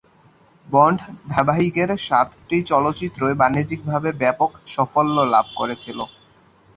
Bond ধারাবাহিকের সাতটি চলচ্চিত্রই বাণিজ্যিকভাবে ব্যাপক সাফল্য লাভ করেছিল।